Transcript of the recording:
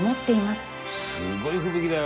すごい吹雪だよ。